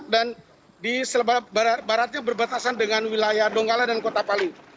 di baratnya berbatasan dengan wilayah donggala dan kota palu